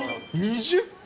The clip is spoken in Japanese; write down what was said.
２０個？